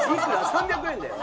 ３００円だよ。